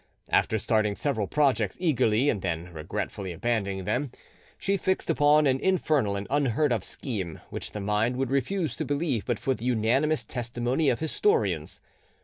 After starting several projects eagerly and then regretfully abandoning them, she fixed upon an infernal and unheard of scheme, which the mind would refuse to believe but for the unanimous testimony of historians.